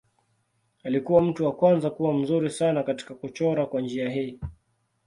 Alikuwa mtu wa kwanza kuwa mzuri sana katika kuchora kwa njia hii.